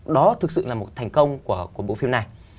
đó thực sự là một thành công của bộ phim này